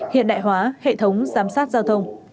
hiện đại hóa hệ thống giám sát giao thông